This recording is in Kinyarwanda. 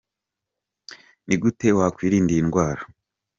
Ni gute wakwirinda iyi ndwara ?.